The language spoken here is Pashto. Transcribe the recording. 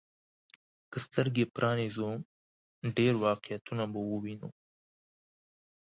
که سترګي پرانيزو، ډېر واقعيتونه به ووينو.